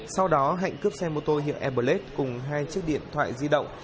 sau đó hạnh cướp xe mô tô hiệu airblade cùng hai chiếc điện thoại di động